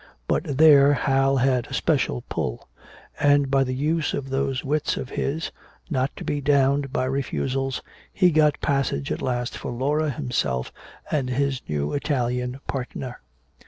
But there Hal had a special pull and by the use of those wits of his, not to be downed by refusals, he got passage at last for Laura, himself and his new Italian partner.